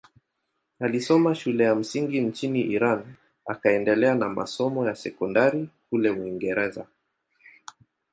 Alisoma shule ya msingi nchini Iran akaendelea na masomo ya sekondari kule Uingereza.